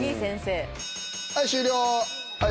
はい終了！